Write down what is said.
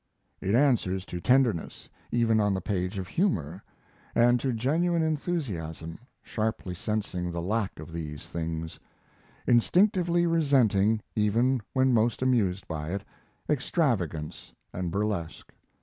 It answers to tenderness, even on the page of humor, and to genuine enthusiasm, sharply sensing the lack of these things; instinctively resenting, even when most amused by it, extravagance and burlesque.